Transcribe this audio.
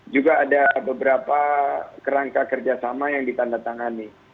juga ada beberapa kerangka kerjasama yang ditandatangani